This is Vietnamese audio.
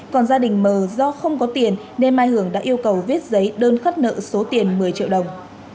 còn gia đình mờ do không có tiền nên mai hường đã yêu cầu viết giấy đơn khất nợ số tiền một mươi triệu đồng